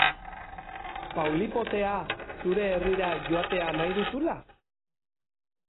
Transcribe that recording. Paulipotea zure herrira joatea nahi duzula?